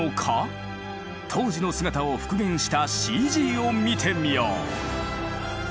当時の姿を復元したＣＧを見てみよう！